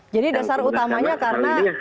jadi dasar utamanya karena